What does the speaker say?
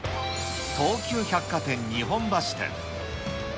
東急百貨店日本橋店。